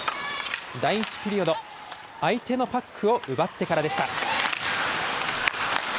第１ピリオド、相手のパックを奪ってからでした。